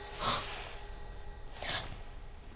あっ！